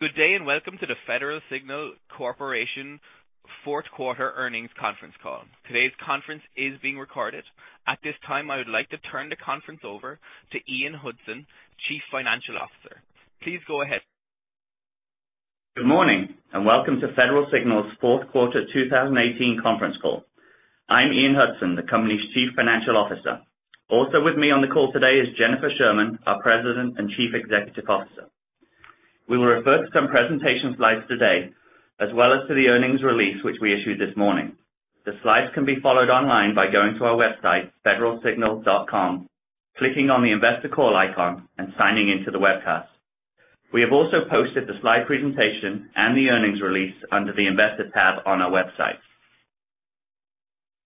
Good day, and welcome to the Federal Signal Corporation fourth quarter earnings conference call. Today's conference is being recorded. At this time, I would like to turn the conference over to Ian Hudson, Chief Financial Officer. Please go ahead. Good morning, and welcome to Federal Signal's fourth quarter 2018 conference call. I'm Ian Hudson, the company's Chief Financial Officer. Also with me on the call today is Jennifer Sherman, our President and Chief Executive Officer. We will refer to some presentation slides today, as well as to the earnings release, which we issued this morning. The slides can be followed online by going to our website, federalsignal.com, clicking on the investor call icon, and signing in to the webcast. We have also posted the slide presentation and the earnings release under the investor tab on our website.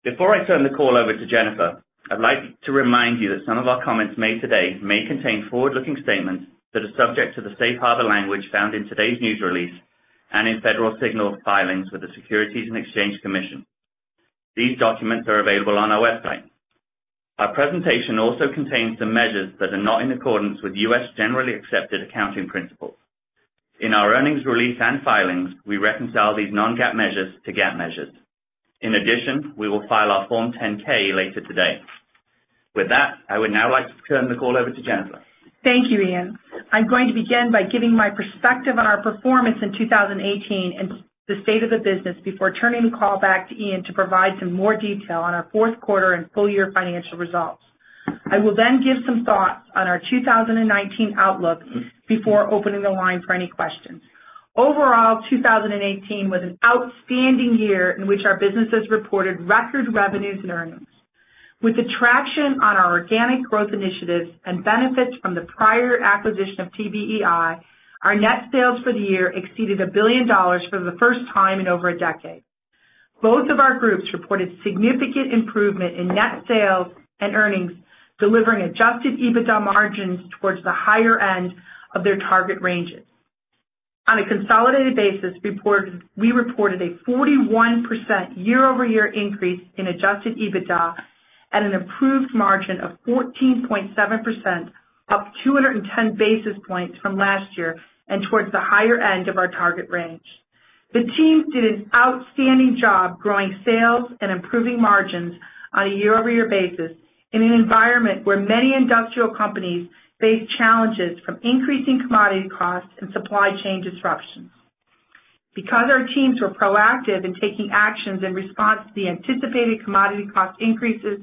Before I turn the call over to Jennifer, I'd like to remind you that some of our comments made today may contain forward-looking statements that are subject to the safe harbor language found in today's news release and in Federal Signal filings with the Securities and Exchange Commission. These documents are available on our website. Our presentation also contains some measures that are not in accordance with US generally accepted accounting principles. In our earnings release and filings, we reconcile these non-GAAP measures to GAAP measures. We will file our Form 10-K later today. I would now like to turn the call over to Jennifer. Thank you, Ian. I'm going to begin by giving my perspective on our performance in 2018 and the state of the business before turning the call back to Ian to provide some more detail on our fourth quarter and full year financial results. I will then give some thoughts on our 2019 outlook before opening the line for any questions. Overall, 2018 was an outstanding year in which our businesses reported record revenues and earnings. With the traction on our organic growth initiatives and benefits from the prior acquisition of TBEI, our net sales for the year exceeded $1 billion for the first time in over a decade. Both of our groups reported significant improvement in net sales and earnings, delivering adjusted EBITDA margins towards the higher end of their target ranges. On a consolidated basis, we reported a 41% year-over-year increase in adjusted EBITDA at an improved margin of 14.7%, up 210 basis points from last year and towards the higher end of our target range. The team did an outstanding job growing sales and improving margins on a year-over-year basis in an environment where many industrial companies face challenges from increasing commodity costs and supply chain disruptions. Because our teams were proactive in taking actions in response to the anticipated commodity cost increases,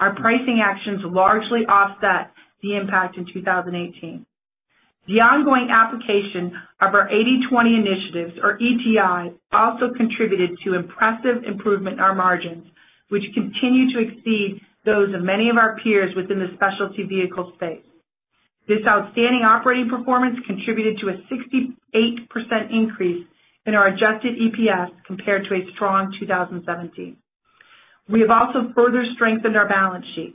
our pricing actions largely offset the impact in 2018. The ongoing application of our 80/20 initiatives, or ETIs, also contributed to impressive improvement in our margins, which continue to exceed those of many of our peers within the specialty vehicle space. This outstanding operating performance contributed to a 68% increase in our adjusted EPS compared to a strong 2017. We have also further strengthened our balance sheet.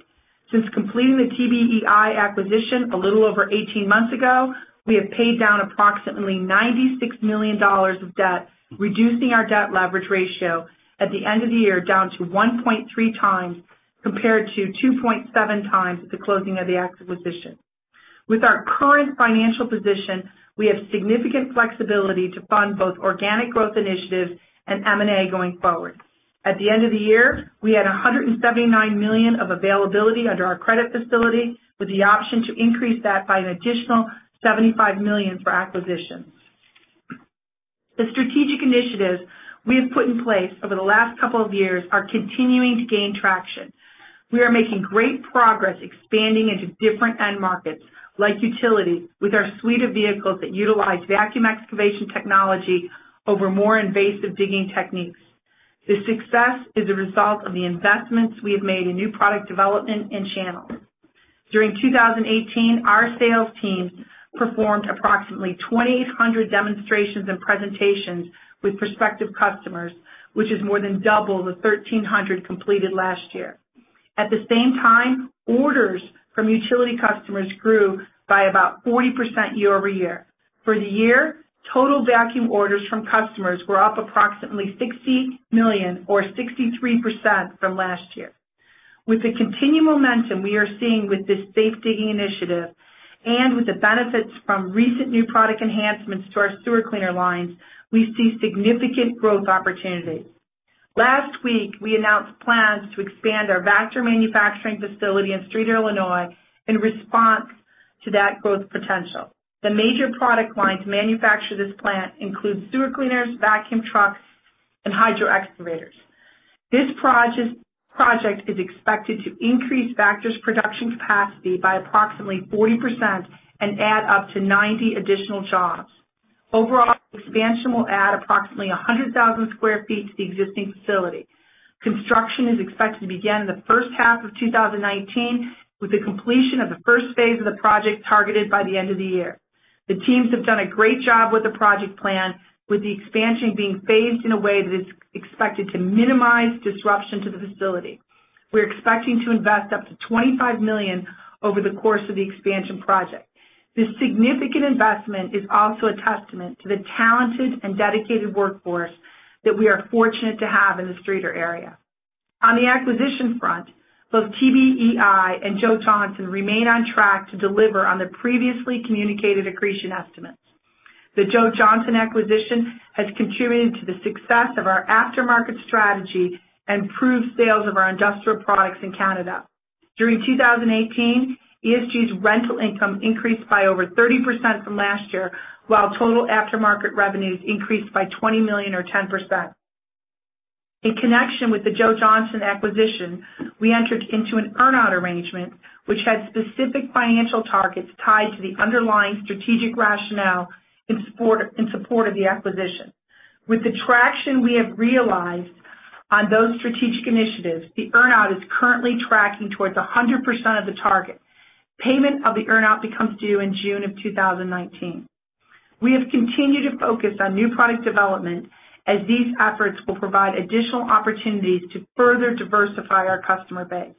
Since completing the TBEI acquisition a little over 18 months ago, we have paid down approximately $96 million of debt, reducing our debt leverage ratio at the end of the year down to 1.3 times, compared to 2.7 times at the closing of the acquisition. With our current financial position, we have significant flexibility to fund both organic growth initiatives and M&A going forward. At the end of the year, we had $179 million of availability under our credit facility with the option to increase that by an additional $75 million for acquisitions. The strategic initiatives we have put in place over the last couple of years are continuing to gain traction. We are making great progress expanding into different end markets, like utility, with our suite of vehicles that utilize vacuum excavation technology over more invasive digging techniques. This success is a result of the investments we have made in new product development and channels. During 2018, our sales teams performed approximately 2,800 demonstrations and presentations with prospective customers, which is more than double the 1,300 completed last year. At the same time, orders from utility customers grew by about 40% year-over-year. For the year, total vacuum orders from customers were up approximately $60 million or 63% from last year. With the continued momentum we are seeing with this safe digging initiative and with the benefits from recent new product enhancements to our sewer cleaner lines, we see significant growth opportunities. Last week, we announced plans to expand our Vactor manufacturing facility in Streator, Illinois, in response to that growth potential. The major product lines manufactured in this plant include sewer cleaners, vacuum trucks, and hydro excavators. This project is expected to increase Vactor's production capacity by approximately 40% and add up to 90 additional jobs. Overall, expansion will add approximately 100,000 square feet to the existing facility. Construction is expected to begin in the first half of 2019, with the completion of the first phase of the project targeted by the end of the year. The teams have done a great job with the project plan, with the expansion being phased in a way that is expected to minimize disruption to the facility. We're expecting to invest up to $25 million over the course of the expansion project. This significant investment is also a testament to the talented and dedicated workforce that we are fortunate to have in the Streator area. On the acquisition front, both TBEI and Joe Johnson remain on track to deliver on their previously communicated accretion estimates. The Joe Johnson acquisition has contributed to the success of our aftermarket strategy and improved sales of our industrial products in Canada. During 2018, ESG's rental income increased by over 30% from last year, while total aftermarket revenues increased by $20 million or 10%. In connection with the Joe Johnson acquisition, we entered into an earn-out arrangement, which has specific financial targets tied to the underlying strategic rationale in support of the acquisition. With the traction we have realized on those strategic initiatives, the earn-out is currently tracking towards 100% of the target. Payment of the earn-out becomes due in June of 2019. We have continued to focus on new product development as these efforts will provide additional opportunities to further diversify our customer base.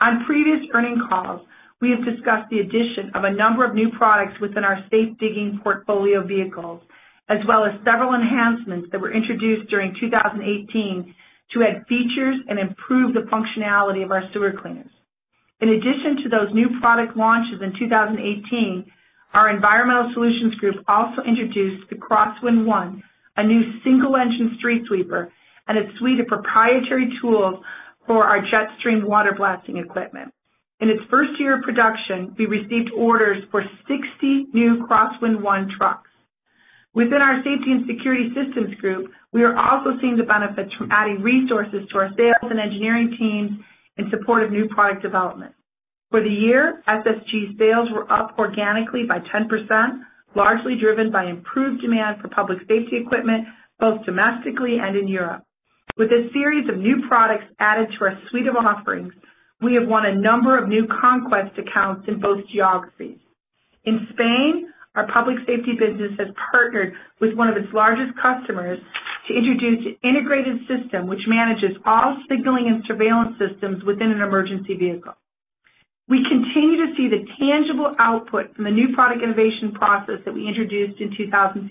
On previous earning calls, we have discussed the addition of a number of new products within our safe digging portfolio vehicles, as well as several enhancements that were introduced during 2018 to add features and improve the functionality of our sewer cleaners. In addition to those new product launches in 2018, our Environmental Solutions Group also introduced the Crosswind1, a new single-engine street sweeper and a suite of proprietary tools for our Jetstream water blasting equipment. In its first year of production, we received orders for 60 new Crosswind1 trucks. Within our Safety and Security Systems group, we are also seeing the benefits from adding resources to our sales and engineering teams in support of new product development. For the year, SSG sales were up organically by 10%, largely driven by improved demand for public safety equipment, both domestically and in Europe. With a series of new products added to our suite of offerings, we have won a number of new conquest accounts in both geographies. In Spain, our public safety business has partnered with one of its largest customers to introduce an integrated system which manages all signaling and surveillance systems within an emergency vehicle. We continue to see the tangible output from the new product innovation process that we introduced in 2015.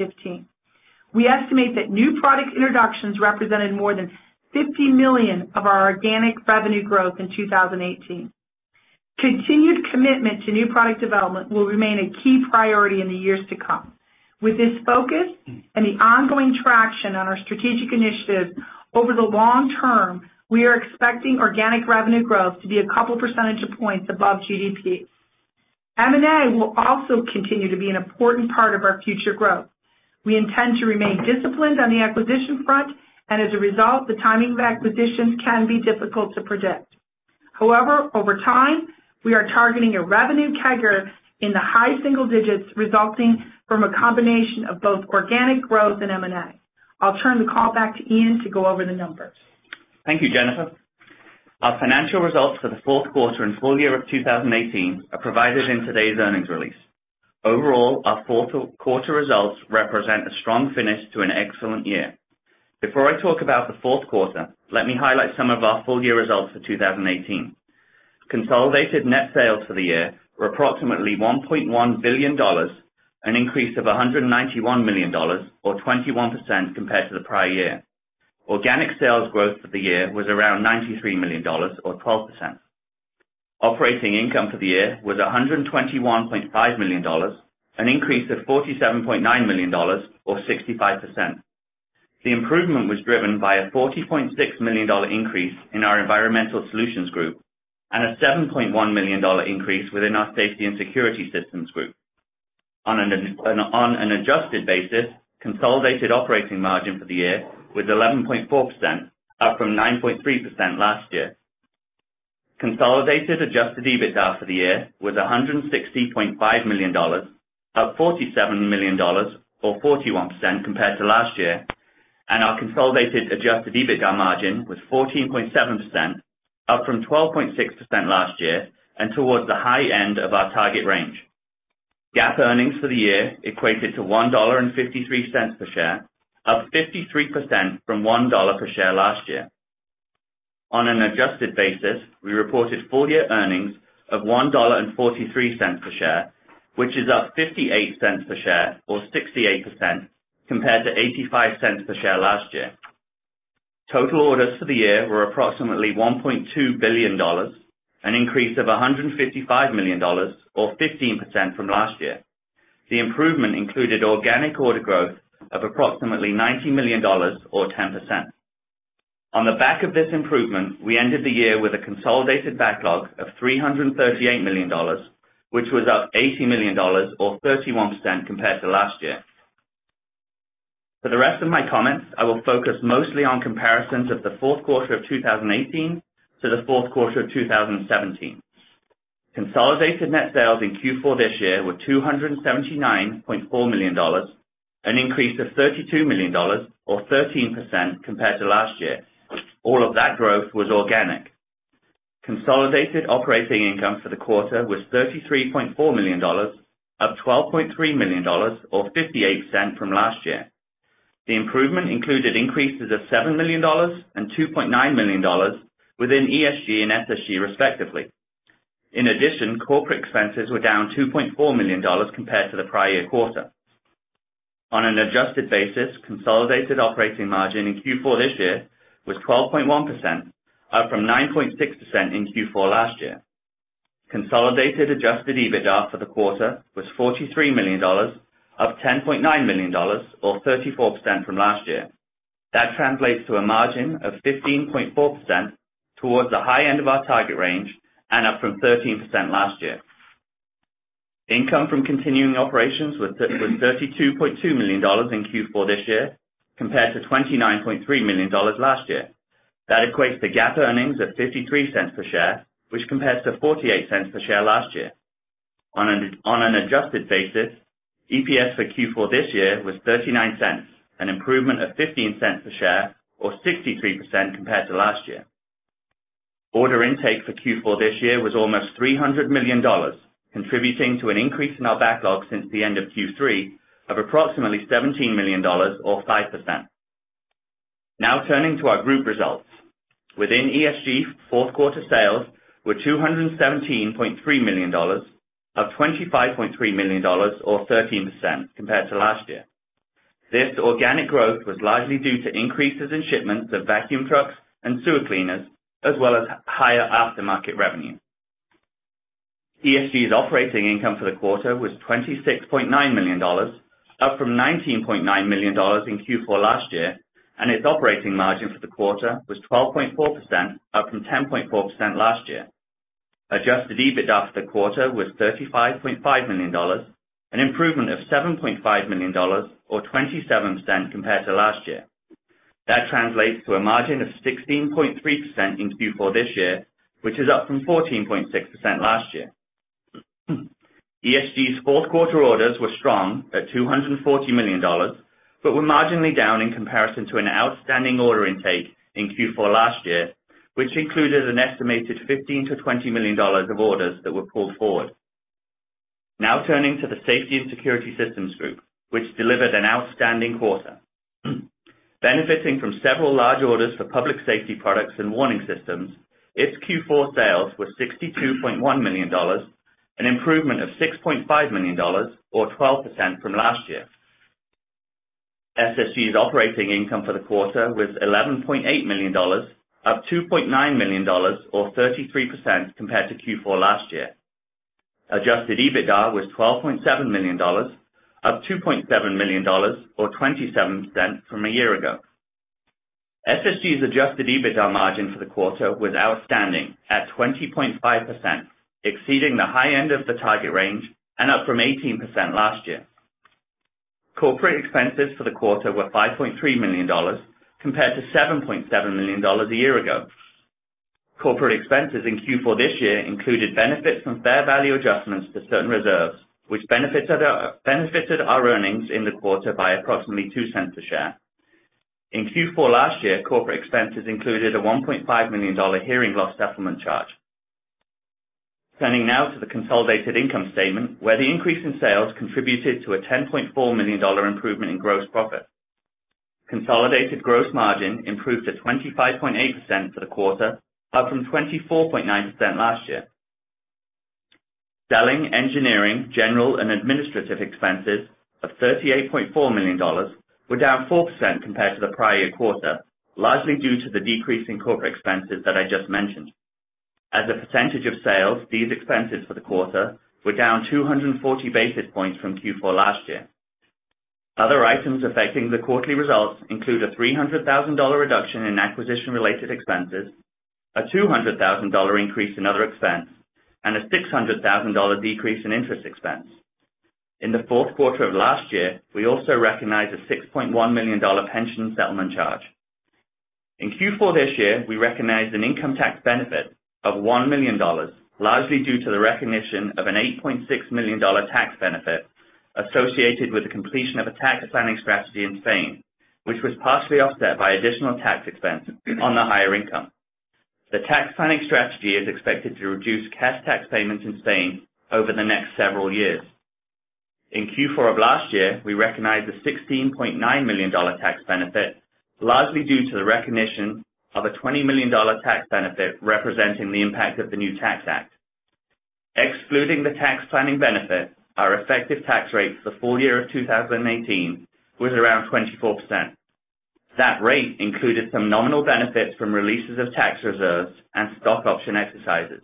We estimate that new product introductions represented more than $50 million of our organic revenue growth in 2018. Continued commitment to new product development will remain a key priority in the years to come. With this focus and the ongoing traction on our strategic initiatives over the long term, we are expecting organic revenue growth to be a couple percentage points above GDP. M&A will also continue to be an important part of our future growth. We intend to remain disciplined on the acquisition front. As a result, the timing of acquisitions can be difficult to predict. However, over time, we are targeting a revenue CAGR in the high single digits resulting from a combination of both organic growth and M&A. I'll turn the call back to Ian to go over the numbers. Thank you, Jennifer. Our financial results for the fourth quarter and full year of 2018 are provided in today's earnings release. Overall, our fourth quarter results represent a strong finish to an excellent year. Before I talk about the fourth quarter, let me highlight some of our full-year results for 2018. Consolidated net sales for the year were approximately $1.1 billion, an increase of $191 million or 21% compared to the prior year. Organic sales growth for the year was around $93 million or 12%. Operating income for the year was $121.5 million, an increase of $47.9 million or 65%. The improvement was driven by a $40.6 million increase in our Environmental Solutions Group and a $7.1 million increase within our Safety and Security Systems Group. On an adjusted basis, consolidated operating margin for the year was 11.4%, up from 9.3% last year. Consolidated adjusted EBITDA for the year was $160.5 million, up $47 million or 41% compared to last year. Our consolidated adjusted EBITDA margin was 14.7%, up from 12.6% last year and towards the high end of our target range. GAAP earnings for the year equated to $1.53 per share, up 53% from $1 per share last year. On an adjusted basis, we reported full year earnings of $1.43 per share, which is up $0.58 per share or 68% compared to $0.85 per share last year. Total orders for the year were approximately $1.2 billion, an increase of $155 million or 15% from last year. The improvement included organic order growth of approximately $90 million or 10%. On the back of this improvement, we ended the year with a consolidated backlog of $338 million, which was up $80 million or 31% compared to last year. For the rest of my comments, I will focus mostly on comparisons of the fourth quarter of 2018 to the fourth quarter of 2017. Consolidated net sales in Q4 this year were $279.4 million, an increase of $32 million or 13% compared to last year. All of that growth was organic. Consolidated operating income for the quarter was $33.4 million, up $12.3 million or 58% from last year. The improvement included increases of $7 million and $2.9 million within ESG and SSG respectively. In addition, corporate expenses were down $2.4 million compared to the prior year quarter. On an adjusted basis, consolidated operating margin in Q4 this year was 12.1%, up from 9.6% in Q4 last year. Consolidated adjusted EBITDA for the quarter was $43 million, up $10.9 million or 34% from last year. That translates to a margin of 15.4% towards the high end of our target range and up from 13% last year. Income from continuing operations was $32.2 million in Q4 this year, compared to $29.3 million last year. That equates to GAAP earnings of $0.53 per share, which compares to $0.48 per share last year. On an adjusted basis, EPS for Q4 this year was $0.39, an improvement of $0.15 per share or 63% compared to last year. Order intake for Q4 this year was almost $300 million, contributing to an increase in our backlog since the end of Q3 of approximately $17 million or 5%. Now turning to our group results. Within ESG, fourth quarter sales were $217.3 million, up $25.3 million or 13% compared to last year. This organic growth was largely due to increases in shipments of vacuum trucks and sewer cleaners, as well as higher aftermarket revenue. ESG's operating income for the quarter was $26.9 million, up from $19.9 million in Q4 last year, and its operating margin for the quarter was 12.4%, up from 10.4% last year. Adjusted EBITDA for the quarter was $35.5 million, an improvement of $7.5 million or 27% compared to last year. That translates to a margin of 16.3% in Q4 this year, which is up from 14.6% last year. ESG's fourth quarter orders were strong at $240 million, but were marginally down in comparison to an outstanding order intake in Q4 last year, which included an estimated $15 million-$20 million of orders that were pulled forward. Now turning to the Safety and Security Systems group, which delivered an outstanding quarter. Benefiting from several large orders for public safety products and warning systems, its Q4 sales were $62.1 million, an improvement of $6.5 million or 12% from last year. SSG's operating income for the quarter was $11.8 million, up $2.9 million or 33% compared to Q4 last year. Adjusted EBITDA was $12.7 million, up $2.7 million or 27% from a year ago. SSG's adjusted EBITDA margin for the quarter was outstanding at 20.5%, exceeding the high end of the target range and up from 18% last year. Corporate expenses for the quarter were $5.3 million, compared to $7.7 million a year ago. Corporate expenses in Q4 this year included benefits and fair value adjustments to certain reserves, which benefited our earnings in the quarter by approximately $0.02 a share. In Q4 last year, corporate expenses included a $1.5 million hearing loss settlement charge. Turning now to the consolidated income statement, where the increase in sales contributed to a $10.4 million improvement in gross profit. Consolidated gross margin improved to 25.8% for the quarter, up from 24.9% last year. Selling, engineering, general and administrative expenses of $38.4 million were down 4% compared to the prior year quarter, largely due to the decrease in corporate expenses that I just mentioned. As a percentage of sales, these expenses for the quarter were down 240 basis points from Q4 last year. Other items affecting the quarterly results include a $300,000 reduction in acquisition-related expenses, a $200,000 increase in other expense, and a $600,000 decrease in interest expense. In the fourth quarter of last year, we also recognized a $6.1 million pension settlement charge. In Q4 this year, we recognized an income tax benefit of $1 million, largely due to the recognition of an $8.6 million tax benefit associated with the completion of a tax planning strategy in Spain, which was partially offset by additional tax expense on the higher income. The tax planning strategy is expected to reduce cash tax payments in Spain over the next several years. In Q4 of last year, we recognized a $16.9 million tax benefit, largely due to the recognition of a $20 million tax benefit representing the impact of the new tax act. Excluding the tax planning benefit, our effective tax rate for the full year of 2018 was around 24%. That rate included some nominal benefits from releases of tax reserves and stock option exercises.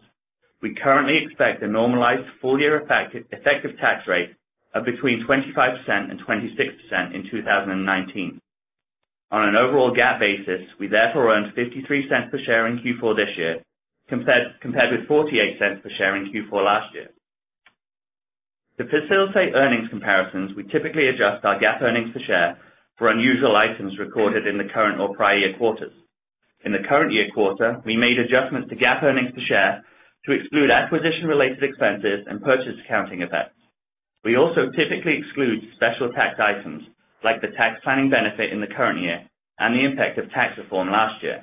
We currently expect a normalized full year effective tax rate of between 25%-26% in 2019. On an overall GAAP basis, we therefore earned $0.53 per share in Q4 this year, compared with $0.48 per share in Q4 last year. To facilitate earnings comparisons, we typically adjust our GAAP earnings per share for unusual items recorded in the current or prior year quarters. In the current year quarter, we made adjustments to GAAP earnings per share to exclude acquisition-related expenses and purchase accounting events. We also typically exclude special tax items like the tax planning benefit in the current year and the impact of tax reform last year.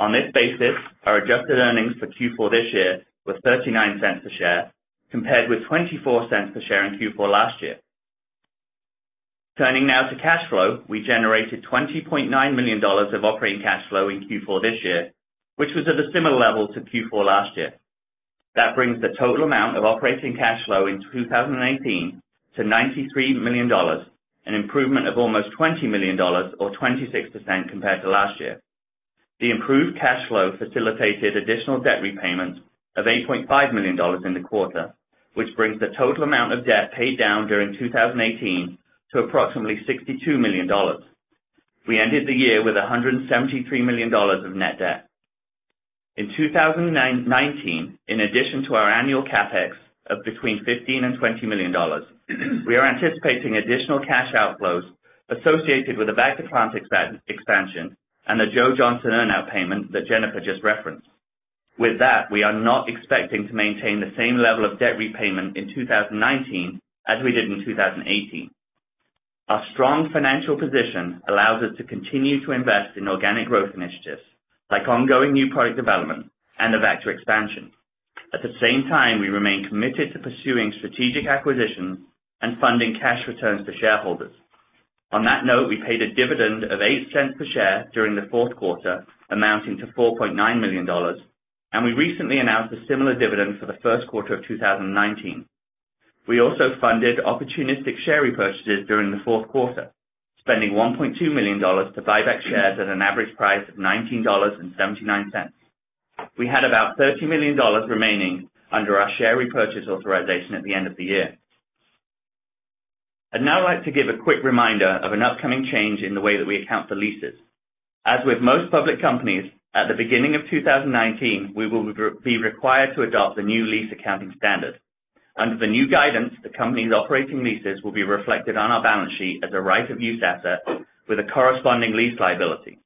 On this basis, our adjusted earnings for Q4 this year were $0.39 per share, compared with $0.24 per share in Q4 last year. Turning now to cash flow, we generated $20.9 million of operating cash flow in Q4 this year, which was at a similar level to Q4 last year. That brings the total amount of operating cash flow in 2018 to $93 million, an improvement of almost $20 million or 26% compared to last year. The improved cash flow facilitated additional debt repayment of $8.5 million in the quarter, which brings the total amount of debt paid down during 2018 to approximately $62 million. We ended the year with $173 million of net debt. In 2019, in addition to our annual CapEx of between $15 million-$20 million, we are anticipating additional cash outflows associated with the Vactor plant expansion and the Joe Johnson earn-out payment that Jennifer just referenced. With that, we are not expecting to maintain the same level of debt repayment in 2019 as we did in 2018. Our strong financial position allows us to continue to invest in organic growth initiatives, like ongoing new product development and the Vactor expansion. At the same time, we remain committed to pursuing strategic acquisitions and funding cash returns to shareholders. On that note, we paid a dividend of $0.08 per share during the fourth quarter, amounting to $4.9 million. We recently announced a similar dividend for the first quarter of 2019. We also funded opportunistic share repurchases during the fourth quarter, spending $1.2 million to buy back shares at an average price of $19.79. We had about $30 million remaining under our share repurchase authorization at the end of the year. I'd now like to give a quick reminder of an upcoming change in the way that we account for leases. As with most public companies, at the beginning of 2019, we will be required to adopt the new lease accounting standard. Under the new guidance, the company's operating leases will be reflected on our balance sheet as a right-of-use asset with a corresponding lease liability.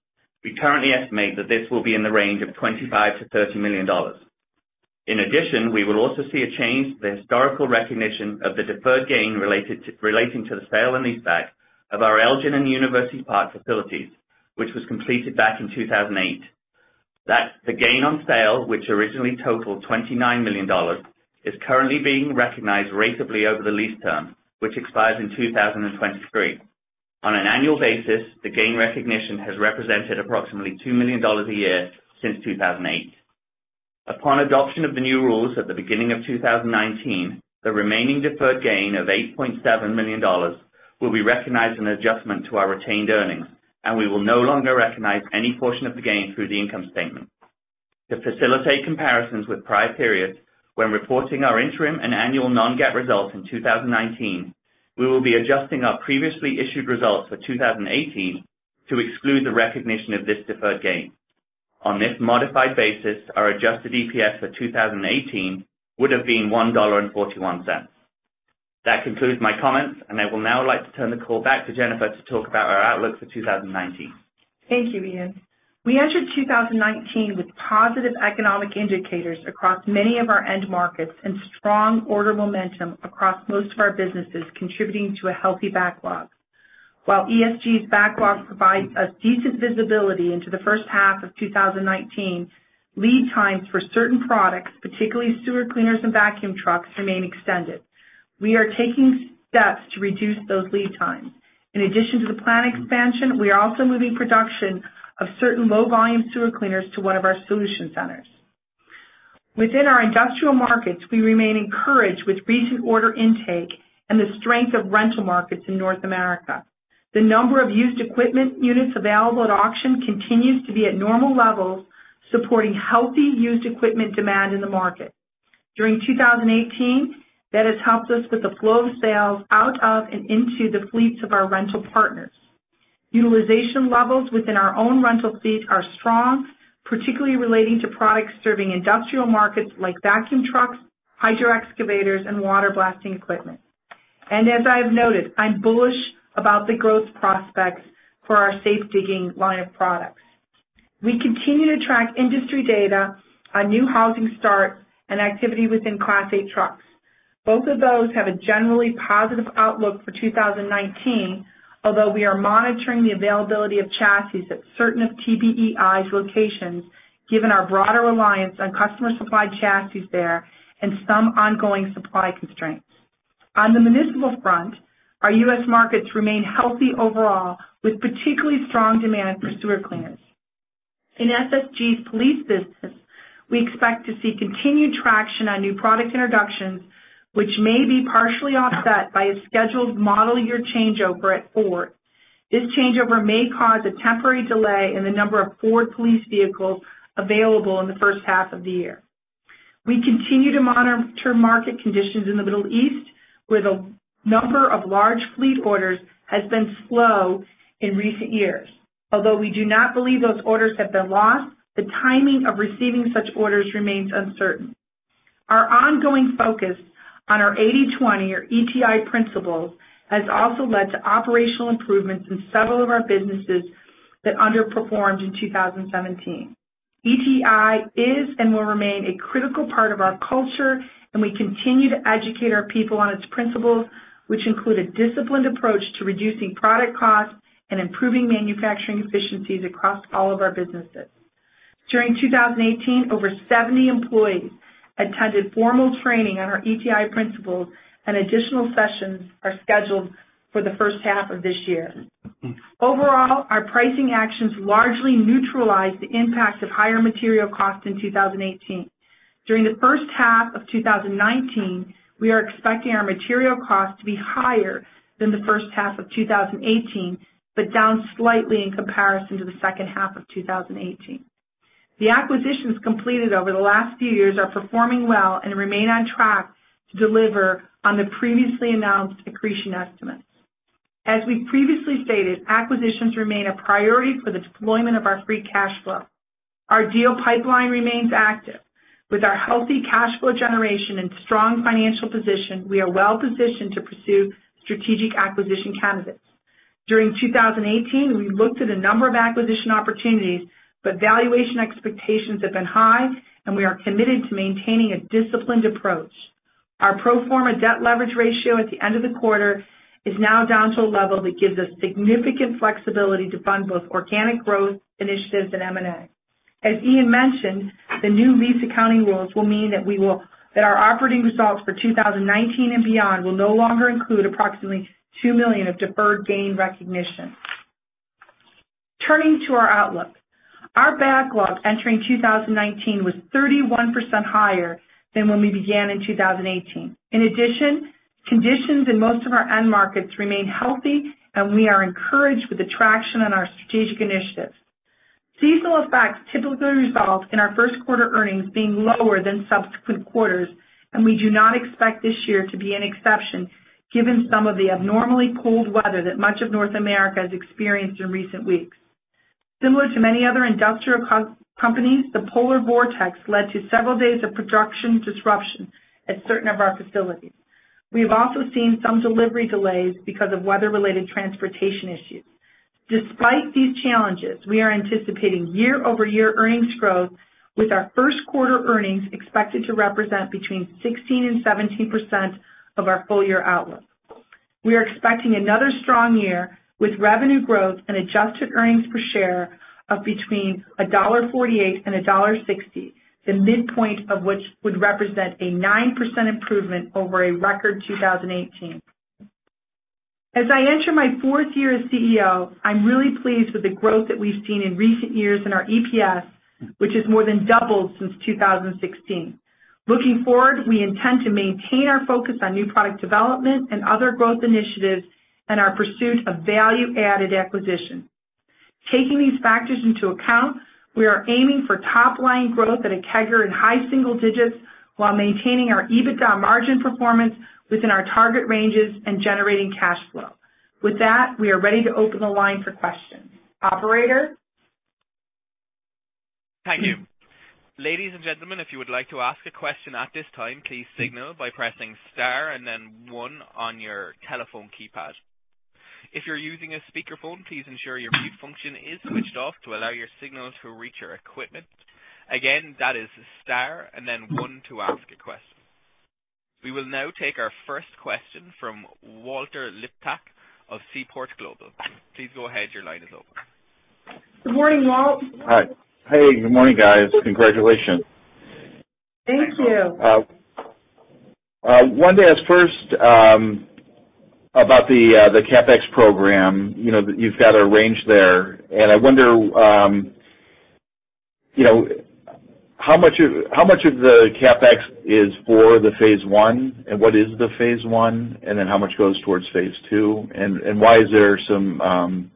We currently estimate that this will be in the range of $25 million-$30 million. In addition, we will also see a change to the historical recognition of the deferred gain relating to the sale and leaseback of our Elgin and University Park facilities, which was completed back in 2008. The gain on sale, which originally totaled $29 million, is currently being recognized ratably over the lease term, which expires in 2023. On an annual basis, the gain recognition has represented approximately $2 million a year since 2008. Upon adoption of the new rules at the beginning of 2019, the remaining deferred gain of $8.7 million will be recognized in adjustment to our retained earnings, and we will no longer recognize any portion of the gain through the income statement. To facilitate comparisons with prior periods when reporting our interim and annual non-GAAP results in 2019, we will be adjusting our previously issued results for 2018 to exclude the recognition of this deferred gain. On this modified basis, our adjusted EPS for 2018 would've been $1.41. That concludes my comments, I will now like to turn the call back to Jennifer to talk about our outlook for 2019. Thank you, Ian. We entered 2019 with positive economic indicators across many of our end markets and strong order momentum across most of our businesses, contributing to a healthy backlog. While ESG's backlog provides us decent visibility into the first half of 2019, lead times for certain products, particularly sewer cleaners and vacuum trucks, remain extended. We are taking steps to reduce those lead times. In addition to the plant expansion, we are also moving production of certain low-volume sewer cleaners to one of our solution centers. Within our industrial markets, we remain encouraged with recent order intake and the strength of rental markets in North America. The number of used equipment units available at auction continues to be at normal levels, supporting healthy used equipment demand in the market. During 2018, that has helped us with the flow of sales out of and into the fleets of our rental partners. Utilization levels within our own rental fleet are strong, particularly relating to products serving industrial markets like vacuum trucks, hydro excavators, and water blasting equipment. As I have noted, I'm bullish about the growth prospects for our safe digging line of products. We continue to track industry data on new housing start and activity within Class 8 trucks. Both of those have a generally positive outlook for 2019, although we are monitoring the availability of chassis at certain of TBEI's locations, given our broader reliance on customer-supplied chassis there and some ongoing supply constraints. On the municipal front, our U.S. markets remain healthy overall, with particularly strong demand for sewer cleaners. In SSG's police business, we expect to see continued traction on new product introductions, which may be partially offset by a scheduled model year changeover at Ford. This changeover may cause a temporary delay in the number of Ford police vehicles available in the first half of the year. We continue to monitor market conditions in the Middle East, where the number of large fleet orders has been slow in recent years. Although we do not believe those orders have been lost, the timing of receiving such orders remains uncertain. Our ongoing focus on our 80-20 or ETI principles has also led to operational improvements in several of our businesses that underperformed in 2017. ETI is and will remain a critical part of our culture, and we continue to educate our people on its principles, which include a disciplined approach to reducing product costs and improving manufacturing efficiencies across all of our businesses. During 2018, over 70 employees attended formal training on our ETI principles, and additional sessions are scheduled for the first half of this year. Overall, our pricing actions largely neutralized the impact of higher material costs in 2018. During the first half of 2019, we are expecting our material costs to be higher than the first half of 2018, but down slightly in comparison to the second half of 2018. The acquisitions completed over the last few years are performing well and remain on track to deliver on the previously announced accretion estimates. As we previously stated, acquisitions remain a priority for the deployment of our free cash flow. Our deal pipeline remains active. With our healthy cash flow generation and strong financial position, we are well positioned to pursue strategic acquisition candidates. During 2018, we looked at a number of acquisition opportunities, but valuation expectations have been high, and we are committed to maintaining a disciplined approach. Our pro forma debt leverage ratio at the end of the quarter is now down to a level that gives us significant flexibility to fund both organic growth initiatives and M&A. As Ian mentioned, the new lease accounting rules will mean that our operating results for 2019 and beyond will no longer include approximately $2 million of deferred gain recognition. Turning to our outlook. Our backlog entering 2019 was 31% higher than when we began in 2018. In addition, conditions in most of our end markets remain healthy, and we are encouraged with the traction on our strategic initiatives. Seasonal effects typically result in our first quarter earnings being lower than subsequent quarters, and we do not expect this year to be an exception, given some of the abnormally cold weather that much of North America has experienced in recent weeks. Similar to many other industrial companies, the polar vortex led to several days of production disruption at certain of our facilities. We have also seen some delivery delays because of weather-related transportation issues. Despite these challenges, we are anticipating year-over-year earnings growth, with our first quarter earnings expected to represent between 16% and 17% of our full-year outlook. We are expecting another strong year with revenue growth and adjusted earnings per share of between $1.48 and $1.60, the midpoint of which would represent a 9% improvement over a record 2018. As I enter my fourth year as CEO, I'm really pleased with the growth that we've seen in recent years in our EPS, which has more than doubled since 2016. Looking forward, we intend to maintain our focus on new product development and other growth initiatives and our pursuit of value-added acquisition. Taking these factors into account, we are aiming for top-line growth at a CAGR in high single digits while maintaining our EBITDA margin performance within our target ranges and generating cash flow. With that, we are ready to open the line for questions. Operator? Thank you. Ladies and gentlemen, if you would like to ask a question at this time, please signal by pressing star and then 1 on your telephone keypad. If you're using a speakerphone, please ensure your mute function is switched off to allow your signal to reach our equipment. Again, that is star and then 1 to ask a question. We will now take our first question from Walter Liptak of Seaport Global. Please go ahead, your line is open. Good morning, Walt. Hi. Hey, good morning, guys. Congratulations. Thank you. Wanted to ask first about the CapEx program. You've got a range there, I wonder how much of the CapEx is for the phase 1 and what is the phase 1, then how much goes towards phase 2? Why is there some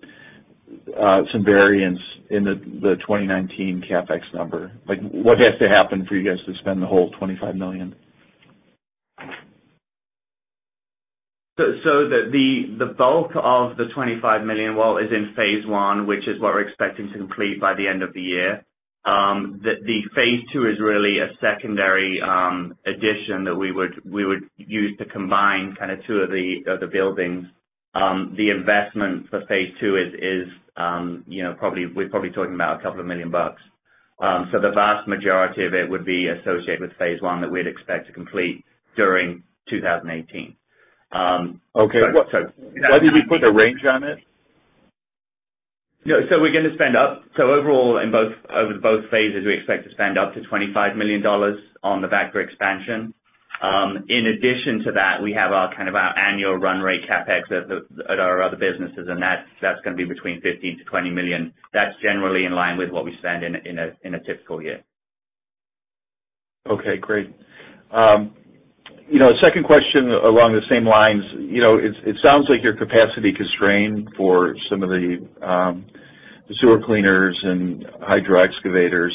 variance in the 2019 CapEx number? What has to happen for you guys to spend the whole $25 million? The bulk of the $25 million, Walt, is in phase 1, which is what we're expecting to complete by the end of the year. The phase 2 is really a secondary addition that we would use to combine two of the other buildings. The investment for phase II is, we're probably talking about a couple of million dollars. The vast majority of it would be associated with phase 1 that we'd expect to complete during 2018. Okay. Why did we put the range on it? We're going to spend up. Overall over both phases, we expect to spend up to $25 million on the Vactor expansion. In addition to that, we have our annual run rate CapEx at our other businesses, that's going to be between $15 million-$20 million. That's generally in line with what we spend in a typical year. Okay, great. Second question along the same lines. It sounds like you're capacity constrained for some of the sewer cleaners and hydro excavators.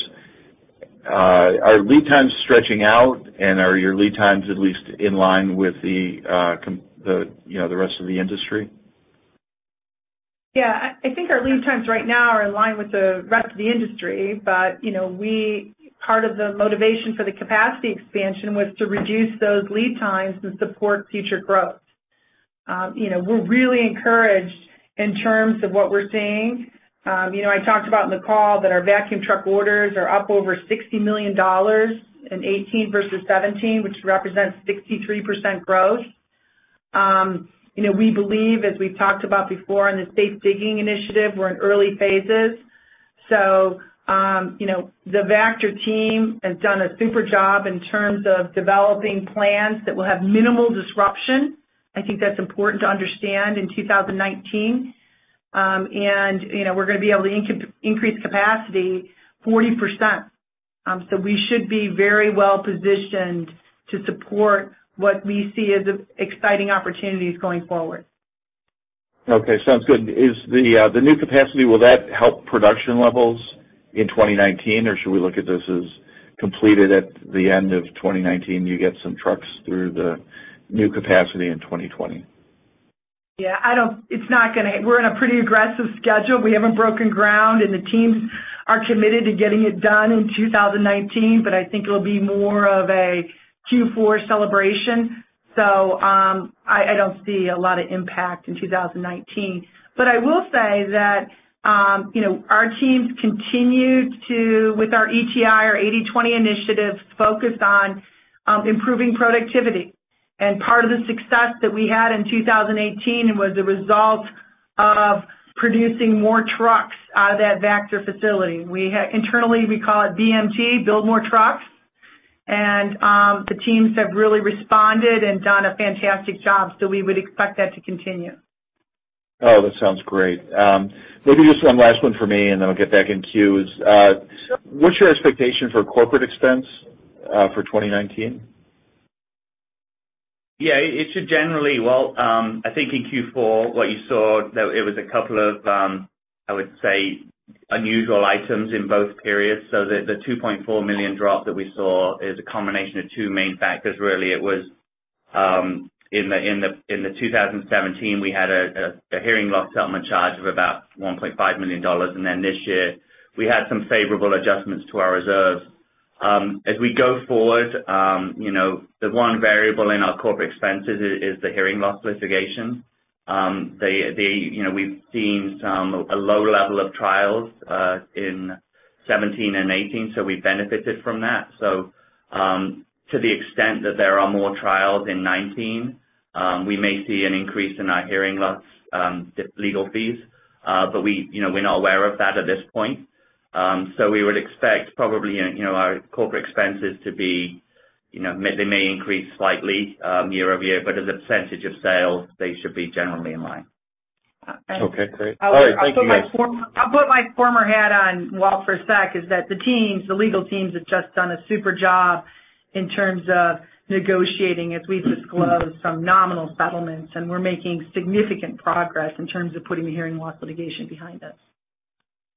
Are lead times stretching out? Are your lead times at least in line with the rest of the industry? Yeah. I think our lead times right now are in line with the rest of the industry. Part of the motivation for the capacity expansion was to reduce those lead times and support future growth. We're really encouraged in terms of what we're seeing. I talked about in the call that our vacuum truck orders are up over $60 million in 2018 versus 2017, which represents 63% growth. We believe, as we've talked about before on the Safe Digging Initiative, we're in early phases. The Vactor team has done a super job in terms of developing plans that will have minimal disruption. I think that's important to understand in 2019. We're going to be able to increase capacity 40%, we should be very well-positioned to support what we see as exciting opportunities going forward. Okay. Sounds good. The new capacity, will that help production levels in 2019? Should we look at this as completed at the end of 2019, you get some trucks through the new capacity in 2020? Yeah. We're on a pretty aggressive schedule. We haven't broken ground, the teams are committed to getting it done in 2019. I think it'll be more of a Q4 celebration. I don't see a lot of impact in 2019. I will say that our teams continue to, with our ETI, our 80/20 Initiatives, focused on improving productivity. Part of the success that we had in 2018 was a result of producing more trucks out of that Vactor facility. Internally, we call it BMT, build more trucks. The teams have really responded and done a fantastic job, we would expect that to continue. Oh, that sounds great. Maybe just one last one for me, and then I'll get back in queue. Sure. What's your expectation for corporate expense for 2019? Yeah. I think in Q4, what you saw, it was a couple of, I would say, unusual items in both periods. The $2.4 million drop that we saw is a combination of two main factors, really. It was in the 2017, we had a hearing loss settlement charge of about $1.5 million. This year, we had some favorable adjustments to our reserve. As we go forward, the one variable in our corporate expenses is the hearing loss litigation. We've seen a low level of trials, in 2017 and 2018, so we benefited from that. To the extent that there are more trials in 2019, we may see an increase in our hearing loss legal fees. We're not aware of that at this point. We would expect probably our corporate expenses may increase slightly year-over-year, but as a % of sales, they should be generally in line. Okay, great. All right. Thank you guys. I'll put my former hat on, Walt, for a sec, is that the legal teams have just done a super job in terms of negotiating, as we've disclosed some nominal settlements, and we're making significant progress in terms of putting the hearing loss litigation behind us.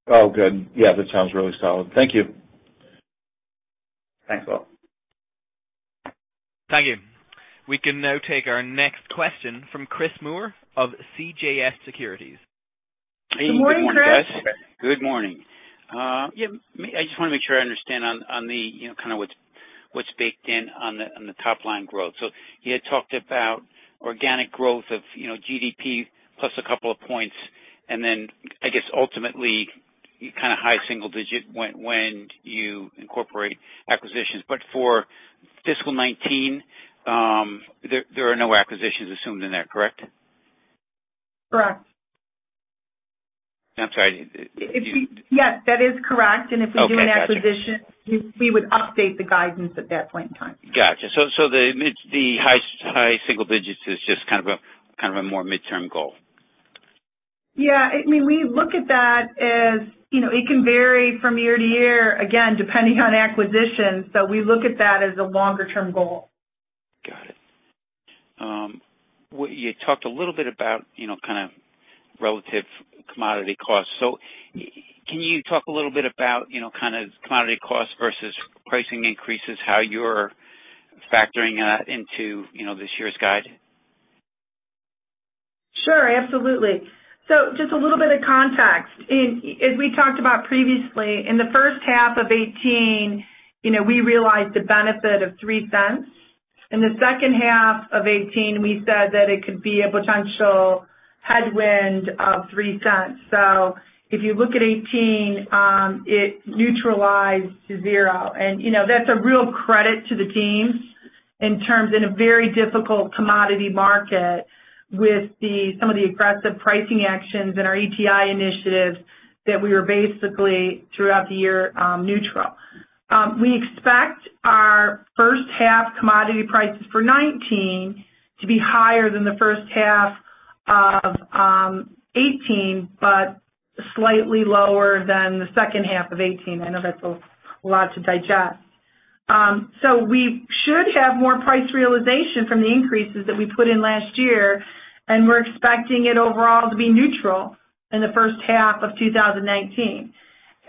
Oh, good. Yeah. That sounds really solid. Thank you. Thanks, Walt. Thank you. We can now take our next question from Chris Moore of CJS Securities. Good morning, Chris. Good morning, guys. Good morning. I just want to make sure I understand on what's baked in on the top-line growth. You had talked about organic growth of GDP plus a couple of points, and then I guess ultimately kind of high single digit when you incorporate acquisitions. For fiscal 2019, there are no acquisitions assumed in there, correct? Correct. I'm sorry. Yes, that is correct. Okay. Got you. If we do an acquisition, we would update the guidance at that point in time. Got you. The high single digits is just kind of a more midterm goal. Yeah. We look at that as it can vary from year-to-year, again, depending on acquisitions. We look at that as a longer-term goal. Got it. You talked a little bit about kind of relative commodity costs. Can you talk a little bit about kind of commodity costs versus pricing increases, how you're factoring that into this year's guide? Sure. Absolutely. Just a little bit of context. As we talked about previously, in the first half of 2018, we realized a benefit of $0.03. In the second half of 2018, we said that it could be a potential headwind of $0.03. If you look at 2018, it neutralized to 0. That's a real credit to the teams in terms in a very difficult commodity market with some of the aggressive pricing actions and our ETI initiatives that we were basically, throughout the year, neutral. We expect our first half commodity prices for 2019 to be higher than the first half of 2018, but slightly lower than the second half of 2018. I know that's a lot to digest. We should have more price realization from the increases that we put in last year, and we're expecting it overall to be neutral in the first half of 2019.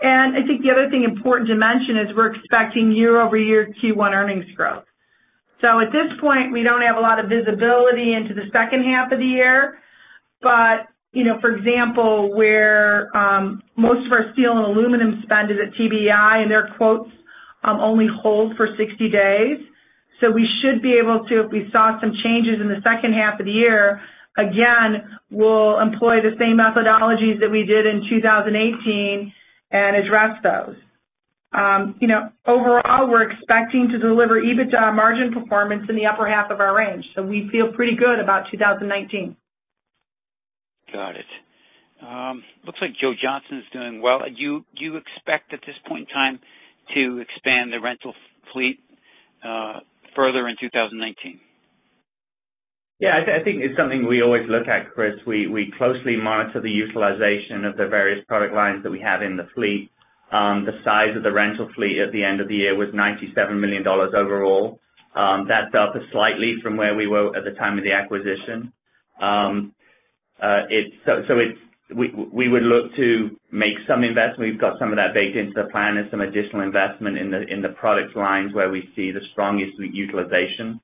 I think the other thing important to mention is we're expecting year-over-year Q1 earnings growth. At this point, we don't have a lot of visibility into the second half of the year. But, for example, where most of our steel and aluminum spend is at TBEI, and their quotes only hold for 60 days. We should be able to, if we saw some changes in the second half of the year, again, we'll employ the same methodologies that we did in 2018 and address those. Overall, we're expecting to deliver EBITDA margin performance in the upper half of our range. We feel pretty good about 2019. Got it. Looks like Joe Johnson's doing well. Do you expect at this point in time to expand the rental fleet further in 2019? Yeah, I think it's something we always look at, Chris. We closely monitor the utilization of the various product lines that we have in the fleet. The size of the rental fleet at the end of the year was $97 million overall. That's up slightly from where we were at the time of the acquisition. We would look to make some investment. We've got some of that baked into the plan and some additional investment in the product lines where we see the strongest utilization.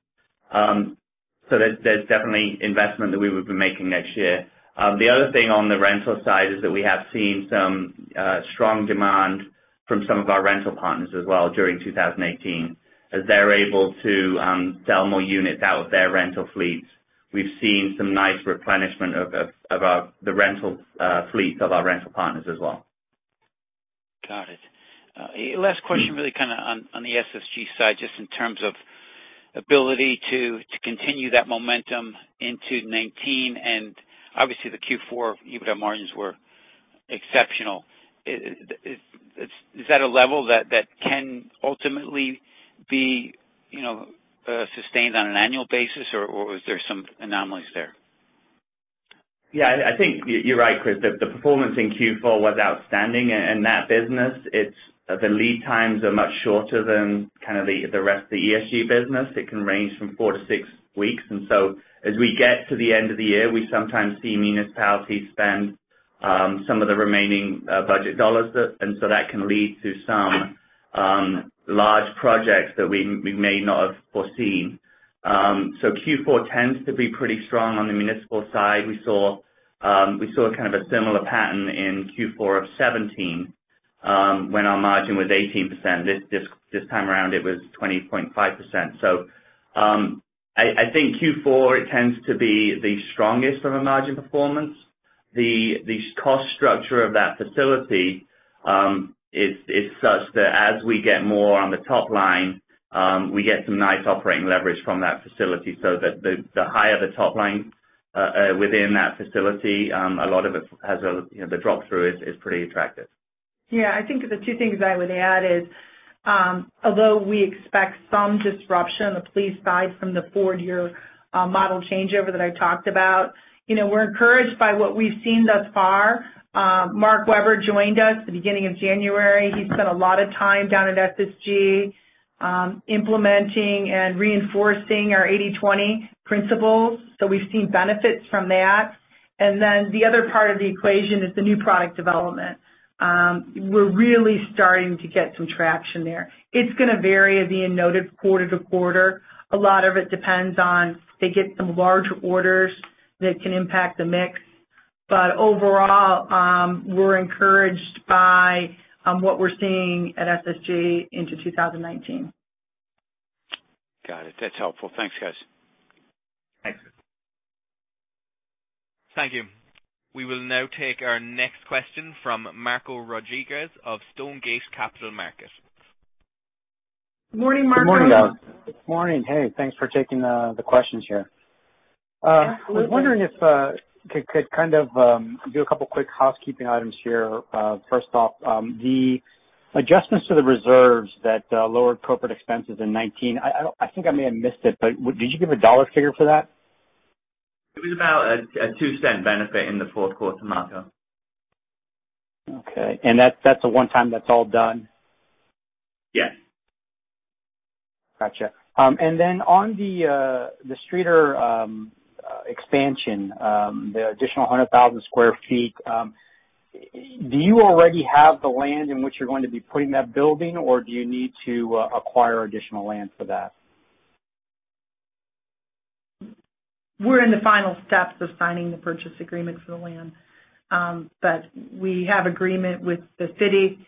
There's definitely investment that we would be making next year. The other thing on the rental side is that we have seen some strong demand from some of our rental partners as well during 2018, as they're able to sell more units out of their rental fleets. We've seen some nice replenishment of the rental fleets of our rental partners as well. Got it. Last question really on the SSG side, just in terms of ability to continue that momentum into 2019. Obviously the Q4 EBITDA margins were exceptional. Is that a level that can ultimately be sustained on an annual basis, or was there some anomalies there? Yeah, I think you're right, Chris. The performance in Q4 was outstanding in that business. The lead times are much shorter than the rest of the ESG business. It can range from four to six weeks. As we get to the end of the year, we sometimes see municipalities spend some of the remaining budget dollars. That can lead to some large projects that we may not have foreseen. Q4 tends to be pretty strong on the municipal side. We saw a similar pattern in Q4 of 2017, when our margin was 18%. This time around it was 20.5%. I think Q4 tends to be the strongest from a margin performance. The cost structure of that facility is such that as we get more on the top line, we get some nice operating leverage from that facility so that the higher the top line within that facility, the drop through is pretty attractive. Yeah, I think the two things I would add is, although we expect some disruption on the fleet side from the four-year model changeover that I talked about, we're encouraged by what we've seen thus far. Mark Weber joined us at the beginning of January. He spent a lot of time down at SSG implementing and reinforcing our 80/20 principles. We've seen benefits from that. The other part of the equation is the new product development. We're really starting to get some traction there. It's going to vary, as Ian noted, quarter to quarter. A lot of it depends on if they get some large orders that can impact the mix. Overall, we're encouraged by what we're seeing at SSG into 2019. Got it. That's helpful. Thanks, guys. Thanks. Thank you. We will now take our next question from Marco Rodriguez of Stonegate Capital Markets. Morning, Marco. Good morning. Good morning. Hey, thanks for taking the questions here. Absolutely. I was wondering if I could kind of do a couple quick housekeeping items here. First off, the adjustments to the reserves that lowered corporate expenses in 2019. I think I may have missed it, but did you give a dollar figure for that? It was about a $0.02 benefit in the fourth quarter, Marco. Okay. That's a one time, that's all done? Yes. Got you. On the Streator expansion, the additional 100,000 square feet. Do you already have the land in which you're going to be putting that building, or do you need to acquire additional land for that? We're in the final steps of signing the purchase agreement for the land. We have agreement with the city,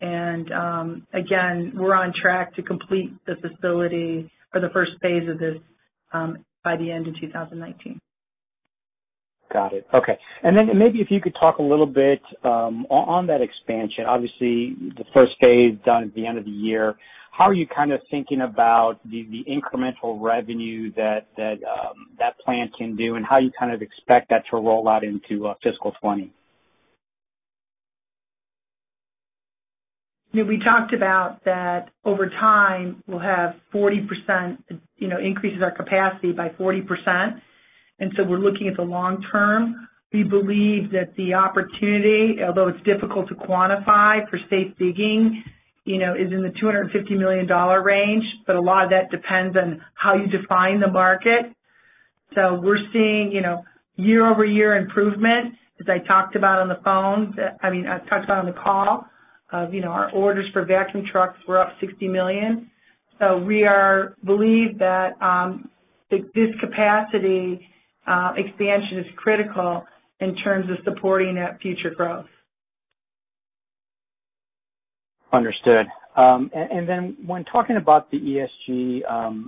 and again, we're on track to complete the facility for the first phase of this by the end of 2019. Got it. Okay. Maybe if you could talk a little bit on that expansion, obviously the first phase done at the end of the year. How are you thinking about the incremental revenue that plan can do and how you expect that to roll out into fiscal 2020? We talked about that over time, we'll increase our capacity by 40%, we're looking at the long term. We believe that the opportunity, although it's difficult to quantify for safe digging, is in the $250 million range. A lot of that depends on how you define the market. We're seeing year-over-year improvement, as I talked about on the call, of our orders for vacuum trucks were up $60 million. We believe that this capacity expansion is critical in terms of supporting that future growth. Understood. When talking about the ESG,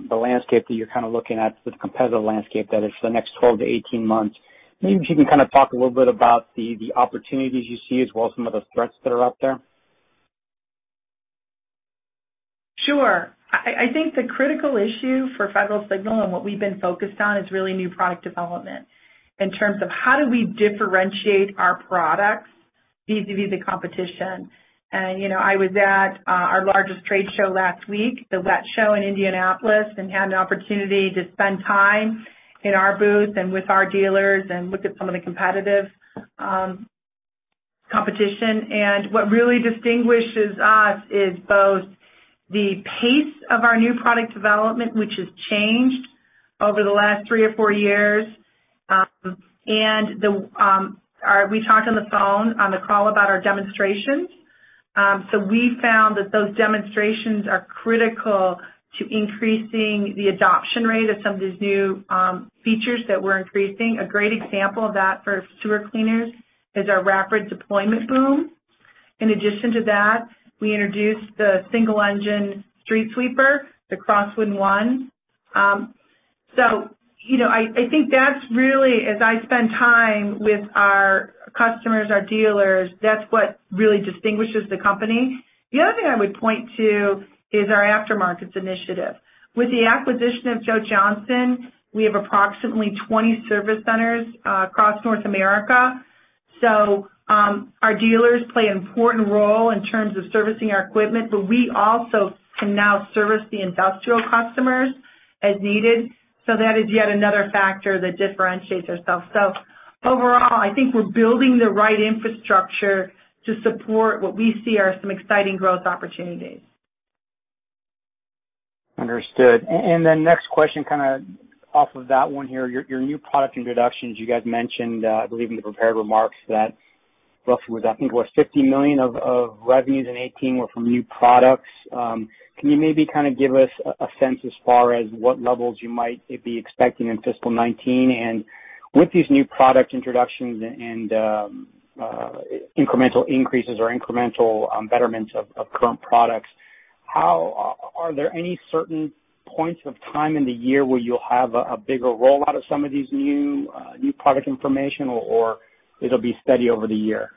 the landscape that you're looking at, the competitive landscape, that is for the next 12 to 18 months, maybe if you can talk a little bit about the opportunities you see as well as some of the threats that are out there. Sure. I think the critical issue for Federal Signal and what we've been focused on is really new product development in terms of how do we differentiate our products vis-a-vis the competition. I was at our largest trade show last week, the WWETT Show in Indianapolis, had an opportunity to spend time in our booth and with our dealers and look at some of the competition. What really distinguishes us is both the pace of our new product development, which has changed over the last three or four years. We talked on the phone on the call about our demonstrations. We found that those demonstrations are critical to increasing the adoption rate of some of these new features that we're increasing. A great example of that for sewer cleaners is our Rapid Deployment Boom. In addition to that, we introduced the single engine street sweeper, the Crosswind1. I think as I spend time with our customers, our dealers, that's what really distinguishes the company. The other thing I would point to is our aftermarkets initiative. With the acquisition of Joe Johnson, we have approximately 20 service centers across North America. Our dealers play an important role in terms of servicing our equipment, but we also can now service the industrial customers as needed. That is yet another factor that differentiates ourselves. Overall, I think we're building the right infrastructure to support what we see are some exciting growth opportunities. Understood. Next question, kind of off of that one here. Your new product introductions, you guys mentioned, I believe in the prepared remarks, that roughly was, I think it was $50 million of revenues in 2018 were from new products. Can you maybe kind of give us a sense as far as what levels you might be expecting in fiscal 2019? With these new product introductions and incremental increases or incremental betterments of current products, are there any certain points of time in the year where you'll have a bigger rollout of some of these new product information, or it'll be steady over the year?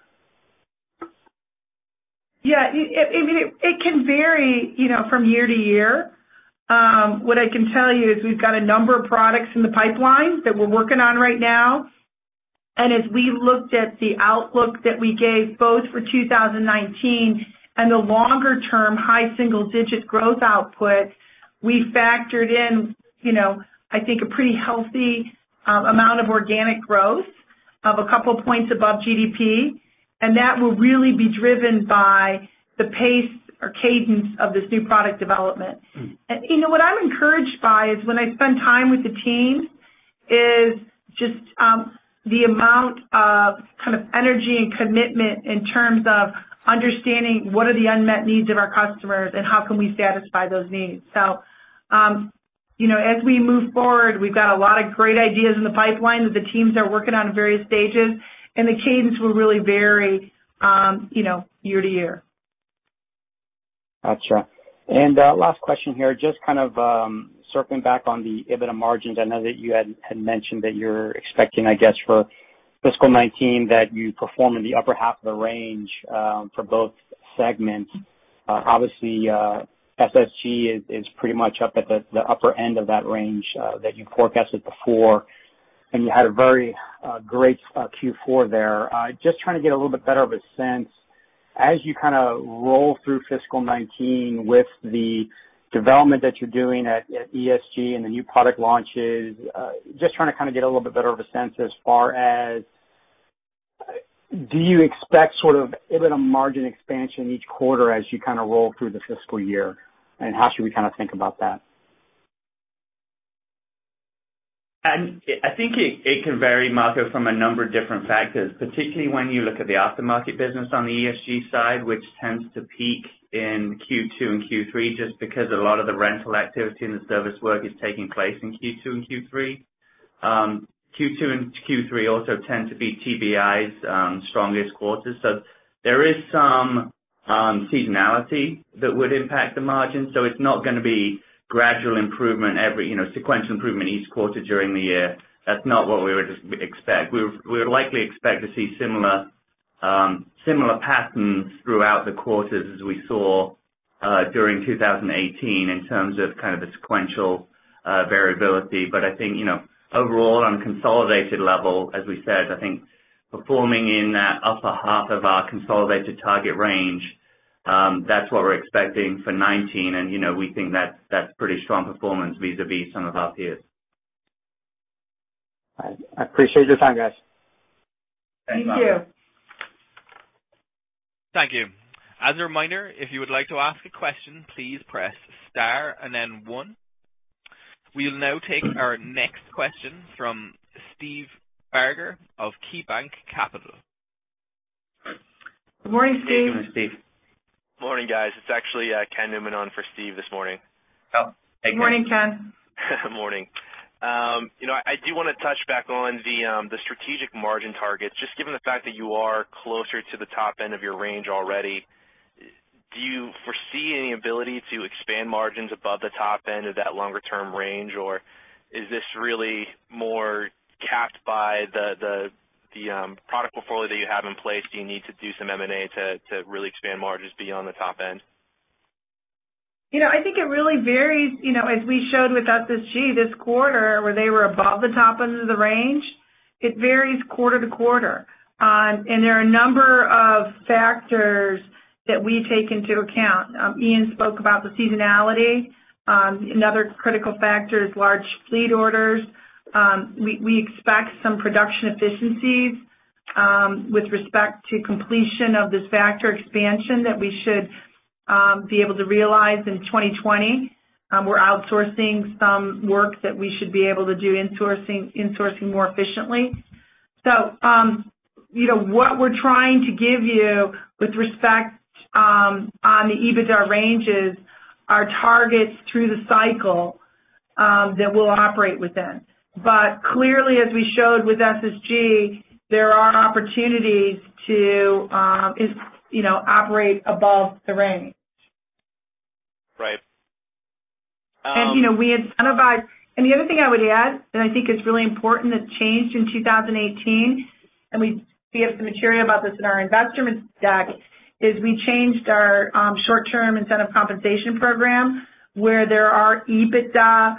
Yeah. It can vary from year to year. What I can tell you is we've got a number of products in the pipeline that we're working on right now. As we looked at the outlook that we gave both for 2019 and the longer-term high single-digit growth output, we factored in I think a pretty healthy amount of organic growth of a couple points above GDP. That will really be driven by the pace or cadence of this new product development. What I'm encouraged by is when I spend time with the teams is just the amount of energy and commitment in terms of understanding what are the unmet needs of our customers and how can we satisfy those needs. As we move forward, we've got a lot of great ideas in the pipeline that the teams are working on in various stages. The cadence will really vary year to year. Got you. Last question here, just kind of circling back on the EBITDA margins. I know that you had mentioned that you're expecting, I guess, for fiscal 2019, that you perform in the upper half of the range for both segments. Obviously, SSG is pretty much up at the upper end of that range that you forecasted before, and you had a very great Q4 there. Just trying to get a little bit better of a sense, as you kind of roll through fiscal 2019 with the development that you're doing at ESG and the new product launches, just trying to kind of get a little bit better of a sense as far as do you expect sort of EBITDA margin expansion each quarter as you kind of roll through the fiscal year, and how should we kind of think about that? I think it can vary, Marco, from a number of different factors, particularly when you look at the aftermarket business on the ESG side, which tends to peak in Q2 and Q3, just because a lot of the rental activity and the service work is taking place in Q2 and Q3. Q2 and Q3 also tend to be TBEI's strongest quarters, so there is some seasonality that would impact the margin. It's not going to be gradual sequential improvement each quarter during the year. That's not what we would expect. We would likely expect to see similar patterns throughout the quarters as we saw during 2018 in terms of kind of the sequential variability. I think overall on consolidated level, as we said, I think performing in that upper half of our consolidated target range, that's what we're expecting for 2019. We think that's pretty strong performance vis-a-vis some of our peers. I appreciate your time, guys. Thanks, Marco. Thank you. Thank you. As a reminder, if you would like to ask a question, please press star and then one. We will now take our next question from Steve Barger of KeyBanc Capital. Good morning, Steve. Good morning, Steve. Morning, guys. It's actually Ken Newman on for Steve this morning. Oh, hey, Ken. Good morning, Ken. Morning. I do want to touch back on the strategic margin targets. Just given the fact that you are closer to the top end of your range already, do you foresee any ability to expand margins above the top end of that longer-term range? Or is this really more capped by the product portfolio that you have in place, do you need to do some M&A to really expand margins beyond the top end? I think it really varies. As we showed with SSG this quarter, where they were above the top end of the range, it varies quarter to quarter. There are a number of factors that we take into account. Ian spoke about the seasonality. Another critical factor is large fleet orders. We expect some production efficiencies with respect to completion of this Vactor expansion that we should be able to realize in 2020. We're outsourcing some work that we should be able to do insourcing more efficiently. What we're trying to give you with respect on the EBITDA ranges are targets through the cycle that we'll operate within. Clearly, as we showed with SSG, there are opportunities to operate above the range. Right. The other thing I would add that I think is really important that changed in 2018, and we have some material about this in our investor deck, is we changed our short-term incentive compensation program where there are EBITDA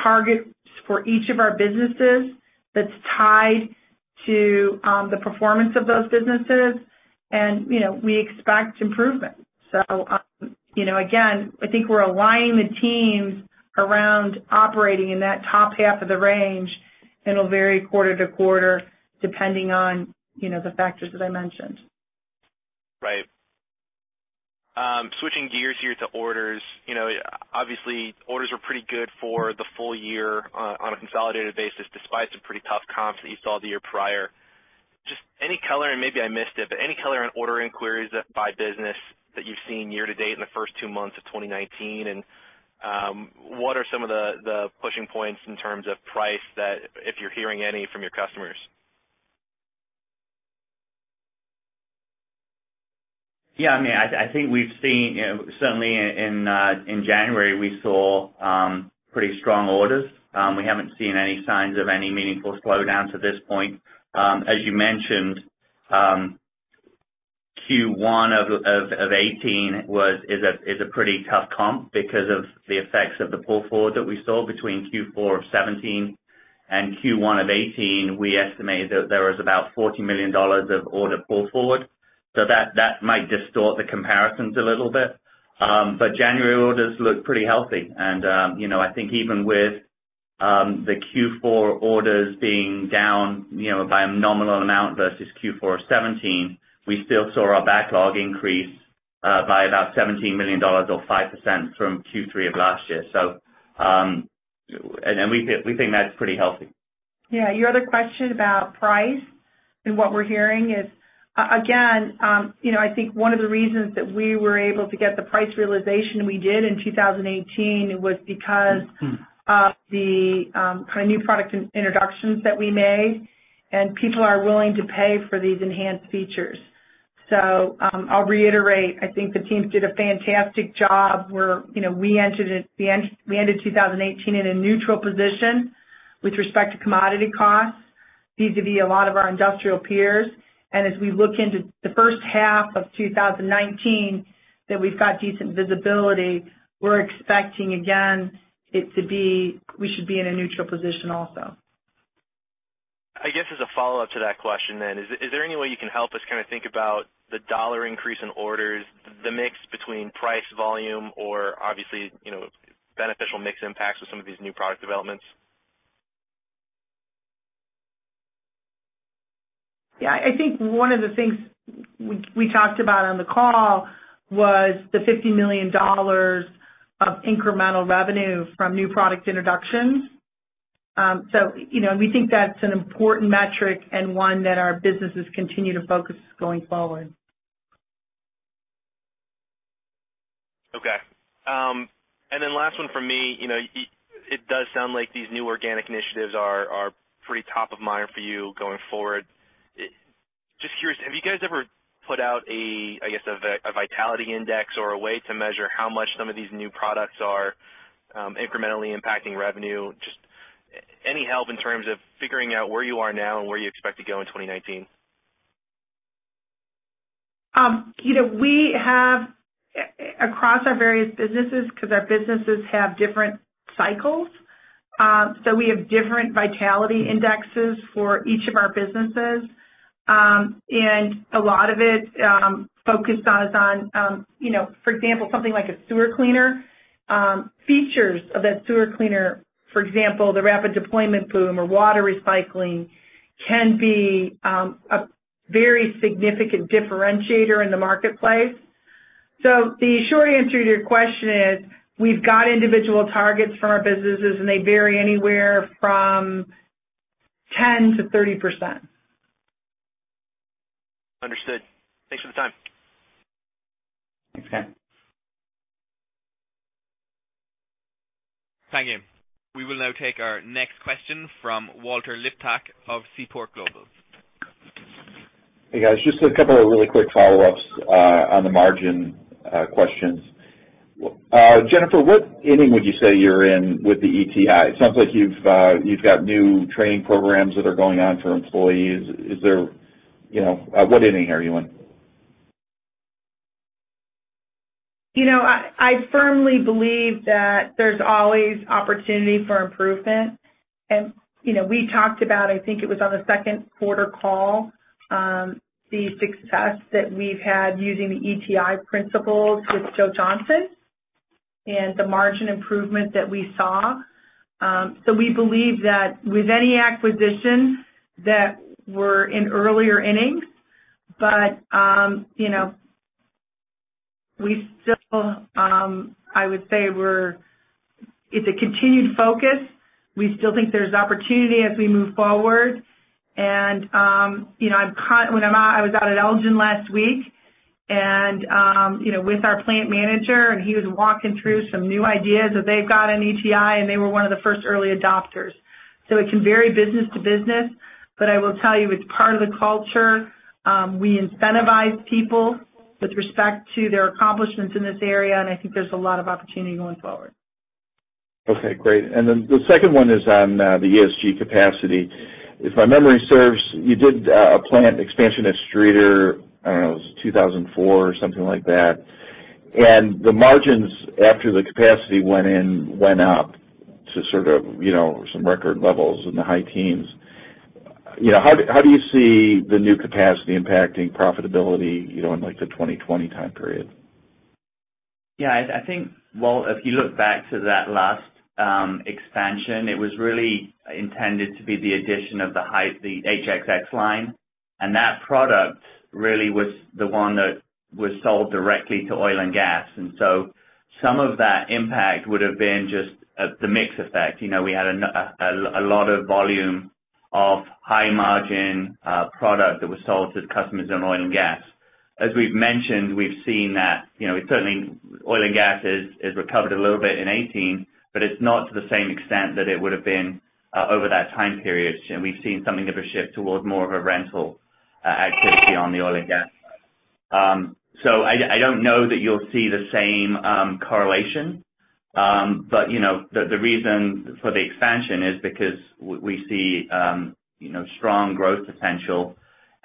targets for each of our businesses that's tied to the performance of those businesses, and we expect improvement. Again, I think we're aligning the teams around operating in that top half of the range, and it'll vary quarter to quarter, depending on the factors that I mentioned. Right. Switching gears here to orders. Obviously, orders were pretty good for the full year on a consolidated basis, despite some pretty tough comps that you saw the year prior. Just any color, and maybe I missed it, but any color on order inquiries by business that you've seen year to date in the first two months of 2019? What are some of the pushing points in terms of price that if you're hearing any from your customers? Yeah. I think we've seen, certainly in January, we saw pretty strong orders. We haven't seen any signs of any meaningful slowdown to this point. As you mentioned, Q1 of 2018 is a pretty tough comp because of the effects of the pull forward that we saw between Q4 of 2017 and Q1 of 2018. We estimate that there was about $40 million of order pull forward. That might distort the comparisons a little bit. January orders look pretty healthy. I think even with the Q4 orders being down by a nominal amount versus Q4 of 2017, we still saw our backlog increase by about $17 million or 5% from Q3 of last year. We think that's pretty healthy. Yeah. Your other question about price and what we're hearing is, again I think one of the reasons that we were able to get the price realization we did in 2018 was because of the kind of new product introductions that we made. People are willing to pay for these enhanced features. I'll reiterate. I think the teams did a fantastic job where we ended 2018 in a neutral position with respect to commodity costs vis-a-vis a lot of our industrial peers. As we look into the first half of 2019 that we've got decent visibility, we're expecting, again, we should be in a neutral position also. I guess as a follow-up to that question then, is there any way you can help us kind of think about the dollar increase in orders, the mix between price volume or obviously beneficial mix impacts with some of these new product developments? Yeah. I think one of the things we talked about on the call was the $50 million of incremental revenue from new product introductions. We think that's an important metric and one that our businesses continue to focus going forward. Okay. Last one from me. It does sound like these new organic initiatives are pretty top of mind for you going forward. Just curious, have you guys ever put out a, I guess, a vitality index or a way to measure how much some of these new products are incrementally impacting revenue? Just any help in terms of figuring out where you are now and where you expect to go in 2019. We have across our various businesses, because our businesses have different cycles. We have different vitality indexes for each of our businesses. A lot of it focuses on, for example, something like a sewer cleaner. Features of that sewer cleaner, for example, the Rapid Deployment Boom or water recycling can be a very significant differentiator in the marketplace. The short answer to your question is we've got individual targets for our businesses, and they vary anywhere from 10% to 30%. Understood. Thanks for the time. Thanks, Ken. Thank you. We will now take our next question from Walter Liptak of Seaport Global. Hey, guys, just a couple of really quick follow-ups on the margin questions. Jennifer, what inning would you say you're in with the ETI? It sounds like you've got new training programs that are going on for employees. What inning are you in? I firmly believe that there's always opportunity for improvement. We talked about, I think it was on the second quarter call, the success that we've had using the ETI principles with Joe Johnson and the margin improvement that we saw. We believe that with any acquisition that we're in earlier innings. We still, I would say it's a continued focus. We still think there's opportunity as we move forward. I was out at Elgin last week and with our plant manager, and he was walking through some new ideas that they've got in ETI, and they were one of the first early adopters. It can vary business to business. I will tell you, it's part of the culture. We incentivize people with respect to their accomplishments in this area, and I think there's a lot of opportunity going forward. Okay, great. Then the second one is on the ESG capacity. If my memory serves, you did a plant expansion at Streator, I don't know, it was 2004 or something like that. The margins after the capacity went in went up to sort of some record levels in the high teens. How do you see the new capacity impacting profitability in the 2020 time period? Yeah, I think, Walt, if you look back to that last expansion, it was really intended to be the addition of the HXX line, and that product really was the one that was sold directly to oil and gas. Some of that impact would've been just the mix effect. We had a lot of volume of high margin product that was sold to customers in oil and gas. As we've mentioned, we've seen that certainly oil and gas has recovered a little bit in 2018, but it's not to the same extent that it would have been over that time period. We've seen something of a shift towards more of a rental activity on the oil and gas side. I don't know that you'll see the same correlation. The reason for the expansion is because we see strong growth potential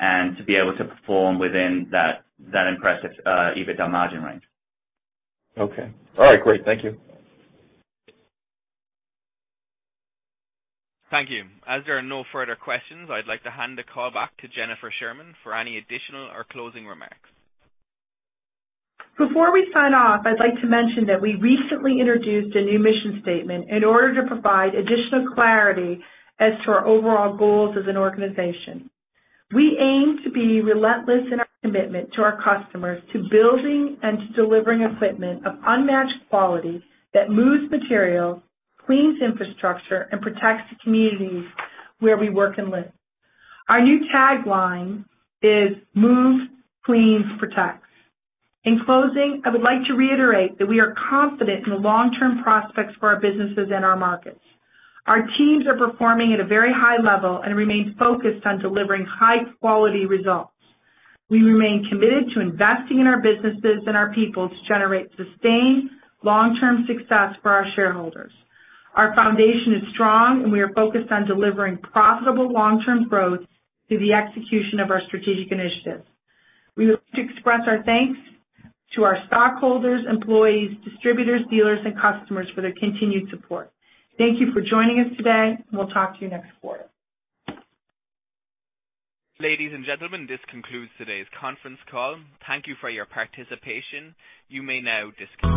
and to be able to perform within that impressive EBITDA margin range. Okay. All right, great. Thank you. Thank you. As there are no further questions, I'd like to hand the call back to Jennifer Sherman for any additional or closing remarks. Before we sign off, I'd like to mention that we recently introduced a new mission statement in order to provide additional clarity as to our overall goals as an organization. We aim to be relentless in our commitment to our customers to building and to delivering equipment of unmatched quality that moves material, cleans infrastructure, and protects the communities where we work and live. Our new tagline is "Move, Clean, Protect." In closing, I would like to reiterate that we are confident in the long-term prospects for our businesses and our markets. Our teams are performing at a very high level and remain focused on delivering high-quality results. We remain committed to investing in our businesses and our people to generate sustained long-term success for our shareholders. Our foundation is strong, and we are focused on delivering profitable long-term growth through the execution of our strategic initiatives. We would like to express our thanks to our stockholders, employees, distributors, dealers, and customers for their continued support. Thank you for joining us today. We'll talk to you next quarter. Ladies and gentlemen, this concludes today's conference call. Thank you for your participation. You may now disconnect.